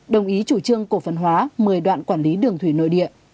đồng ý chủ trương cổ phần hóa một mươi đoạn quản lý đường thủy nội địa